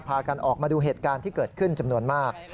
กันออกมาดูเหตุการณ์ที่เกิดขึ้นจำนวนมาก